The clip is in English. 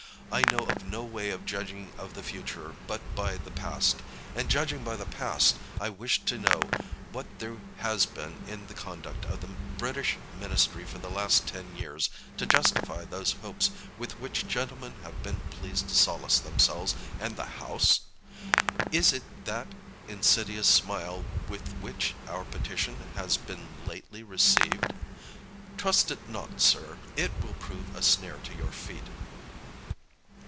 I know of no way of judging of the future but by the past. And, judging by the past, I wish to know what there has been in the conduct of the British ministry for the last ten years to justify those hopes with which gentlemen have been pleased to solace themselves and the House? Is it that insidious smile with which our petition has been lately received? Trust it not, sir; it will prove a snare to your feet.